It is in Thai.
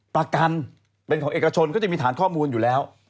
ประกันเป็นของเอกชนก็จะมีฐานข้อมูลอยู่แล้ว